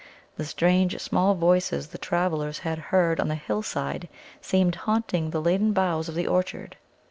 The strange small voices the travellers had heard on the hillside seemed haunting the laden boughs of the orchard.